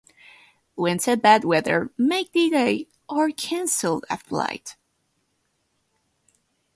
Winds and bad weather may delay or cancel a flight.